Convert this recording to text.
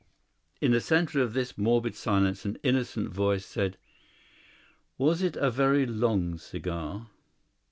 In the centre of this morbid silence an innocent voice said: "Was it a very long cigar?"